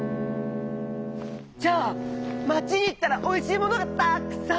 じゃあ町にいったらおいしいものがたっくさんあるのかな？